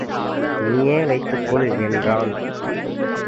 நீயே வைத்துக் கொள் என்றான்.